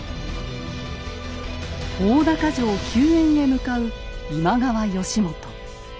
大高城救援へ向かう今川義元。